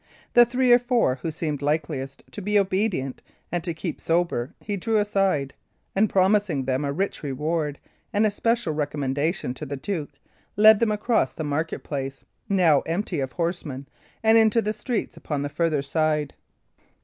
The three or four who seemed likeliest to be obedient and to keep sober he drew aside; and promising them a rich reward and a special recommendation to the duke, led them across the market place, now empty of horsemen, and into the streets upon the further side.